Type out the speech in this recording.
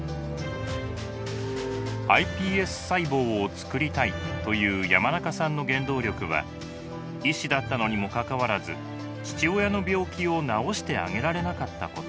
ｉＰＳ細胞をつくりたいという山中さんの原動力は医師だったのにもかかわらず父親の病気を治してあげられなかったこと。